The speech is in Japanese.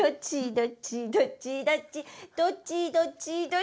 「どっちどっちどっちどっち」